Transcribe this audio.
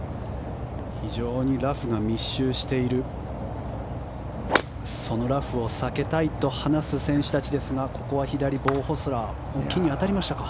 非常にラフが密集しているそのラフを避けたいと話す選手たちですがここは左、ボウ・ホスラー木に当たりましたか？